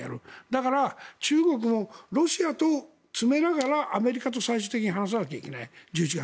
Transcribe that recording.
だから中国もロシアと詰めながらアメリカと最終的に話さなきゃいけない、１１月。